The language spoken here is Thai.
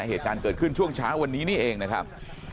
เหตุการณ์เกิดขึ้นช่วงเช้าวันนี้นี่เองนะครับ